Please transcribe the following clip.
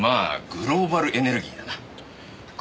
グローバルエネルギー。